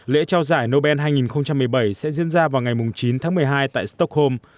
lễ trao giải nobel hai nghìn một mươi bảy sẽ diễn ra vào ngày chín tháng một mươi hai tại stockholm